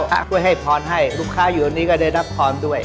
ช่วยให้พรให้ลูกค้าอยู่ตรงนี้ก็ได้รับพรด้วย